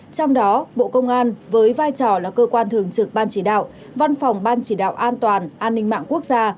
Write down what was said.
trong đó bộ công an với vai trò là cơ quan thường trực ban chỉ đạo văn phòng ban chỉ đạo an toàn an ninh mạng quốc gia